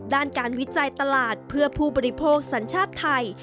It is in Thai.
ด้านการวิจัยตลาดเพื่อผู้บริโภคสัญชาติไทย